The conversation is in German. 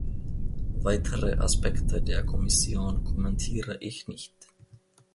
Weitere Aspekte der Kommission kommentiere ich nicht.